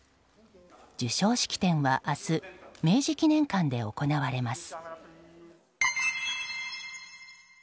授賞式典は明日明治記念館で行われます。